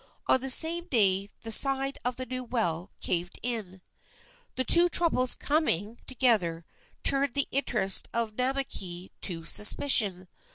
On the same day the side of the new well caved in. The two troubles coming together turned the interest of Namakei to suspicion.